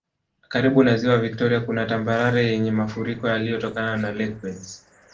Karibu na Ziwa Viktoria kuna tambarare yenye mafuriko yaliyotokana na lakebeds